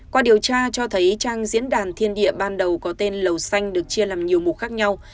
qua điều tra cho thấy trang diễn đàn thiên địa ban đầu có tên lầu xanh được chia làm nhiều mục khác nhau